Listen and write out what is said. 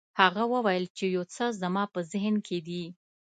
هغه وویل چې یو څه زما په ذهن کې دي.